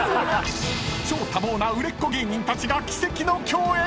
［超多忙な売れっ子芸人たちが奇跡の共演！］